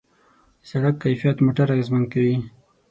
د سړک کیفیت موټر اغېزمن کوي.